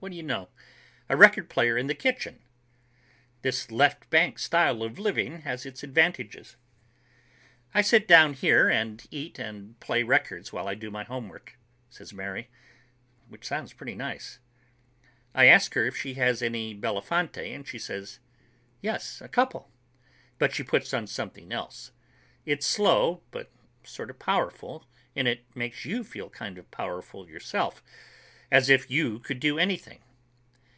What d'you know? A record player in the kitchen! This Left Bank style of living has its advantages. "I sit down here and eat and play records while I do my homework," says Mary, which sounds pretty nice. I ask her if she has any Belafonte, and she says, "Yes, a couple," but she puts on something else. It's slow, but sort of powerful, and it makes you feel kind of powerful yourself, as if you could do anything.